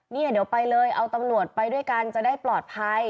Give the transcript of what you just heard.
เนี่ยเดี๋ยวไปเลยเอาตำรวจไปด้วยกันจะได้ปลอดภัย